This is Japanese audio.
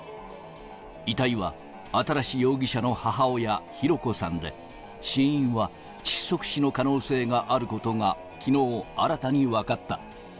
遺体は、新容疑者の母親、博子さんで、死因は窒息死の可能性があることがきのう、新たに分かった。